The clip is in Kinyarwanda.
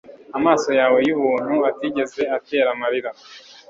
amaso yawe yubuntu atigeze atera amarira